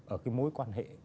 ở cái mối quan hệ